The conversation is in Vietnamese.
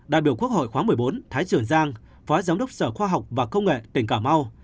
đại biểu quốc hội khóa một mươi bốn thái trường giang phó giám đốc sở khoa học và công nghệ tỉnh cà mau